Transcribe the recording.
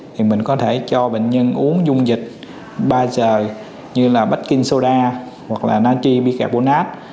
thì mình có thể cho bệnh nhân uống dung dịch ba giờ như là bacchinsoda hoặc là nachi bicarbonate